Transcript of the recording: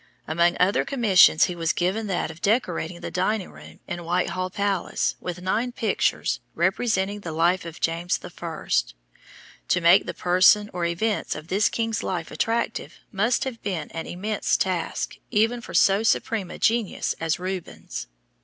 Among other commissions he was given that of decorating the dining room in Whitehall palace with nine pictures representing the life of James I. To make the person or events of this king's life attractive must have been an immense task even for so supreme a genius as Rubens.